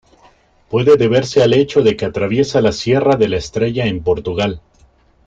Puede deberse al hecho de que atraviesa la sierra de la Estrella en Portugal.